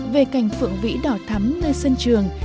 về cành phượng vĩ đỏ thắm nơi sân trường